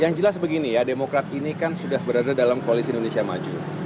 yang jelas begini ya demokrat ini kan sudah berada dalam koalisi indonesia maju